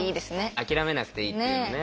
諦めなくていいっていうのね。